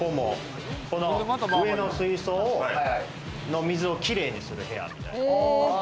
この上の水槽の水をきれいにする部屋。